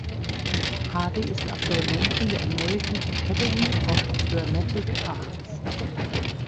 Hardy ist Absolventin der American Academy of Dramatic Arts.